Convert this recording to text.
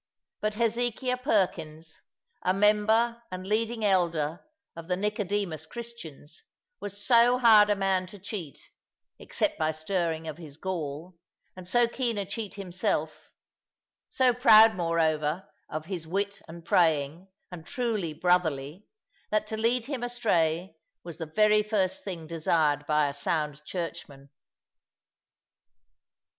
But Hezekiah Perkins, a member and leading elder of the "Nicodemus Christians," was so hard a man to cheat except by stirring of his gall and so keen a cheat himself; so proud, moreover, of his wit and praying, and truly brotherly, that to lead him astray was the very first thing desired by a sound Churchman.